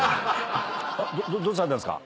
どうされたんですか？